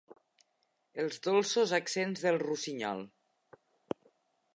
Els dolços accents del rossinyol.